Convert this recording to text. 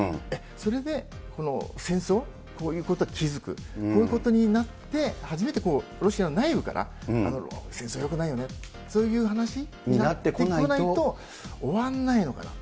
それで、戦争、こういうことを気付く、こういうことになって、初めてロシアの内部から、戦争よくないよね、そういう話になってこないと終わんないのかな。